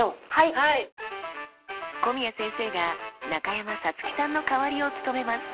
古宮先生が中山咲月さんの代わりを務めます。